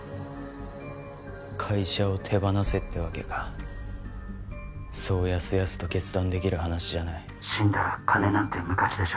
会社を手放せってわけかそうやすやすと決断できる話じゃない死んだら金なんて無価値でしょ？